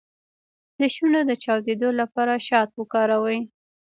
د شونډو د چاودیدو لپاره شات وکاروئ